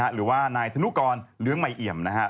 หรือว่านายธนุกรเหลืองมัยเอี่ยมนะครับ